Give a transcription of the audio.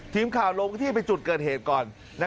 ทีมข่าวลงพื้นที่ไปจุดเกิดเหตุก่อน